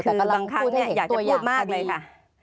คือบางครั้งอยากจะพูดมากเลยค่ะ